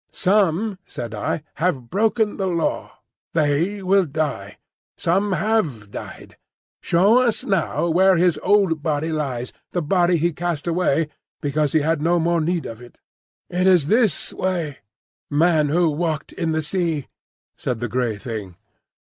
"Some," said I, "have broken the Law: they will die. Some have died. Show us now where his old body lies,—the body he cast away because he had no more need of it." "It is this way, Man who walked in the Sea," said the grey Thing.